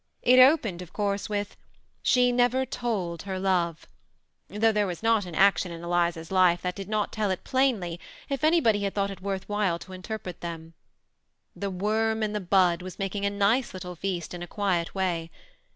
It opened, of course, with " She never told her love," though there was not an action in Eliza's life that did not tell it plainly if anybody had thought it worth while to interpret them. ^'The worm in the bud " was making a nice little feast in a quiet way.